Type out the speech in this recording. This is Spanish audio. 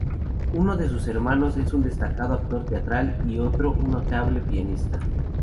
Uno de sus hermanos es un destacado actor teatral y otro un notable pianista.